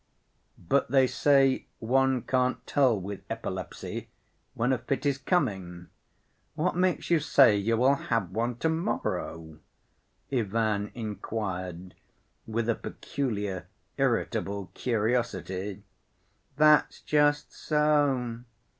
"But they say one can't tell with epilepsy when a fit is coming. What makes you say you will have one to‐morrow?" Ivan inquired, with a peculiar, irritable curiosity. "That's just so.